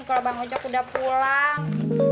kalau bang ucok udah pulang